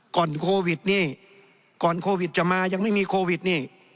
ก่อนโควิดนี่ก่อนโควิดจะมายังไม่มีโควิดนี่